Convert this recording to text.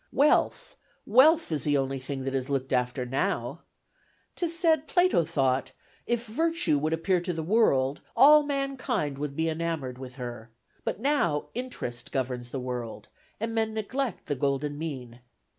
Wealth, wealth is the only thing that is looked after now. 'Tis said Plato thought, if Virtue would appear to the world, all mankind would be enamoured with her, but now interest governs the world, and men neglect the golden mean.